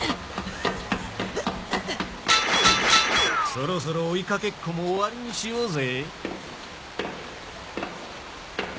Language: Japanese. そろそろ追いかけっこも終わりにしようぜ。